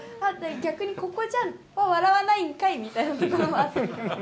逆にここじゃ笑わないんかいみたいなところもあって。